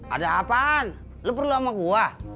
ada apaan lu perlu sama gua